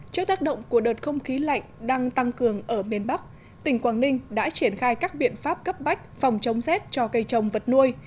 trước tác động của đợt không khí lạnh đang tăng cường ở miền bắc tỉnh quảng ninh đã triển khai các biện pháp cấp bách phòng chống rét cho cây trồng vật nuôi